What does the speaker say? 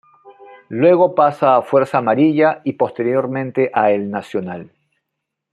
Luego pasa a Fuerza Amarilla y posteriormente a El Nacional.